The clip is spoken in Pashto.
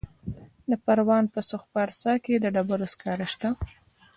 د پروان په سرخ پارسا کې د ډبرو سکاره شته.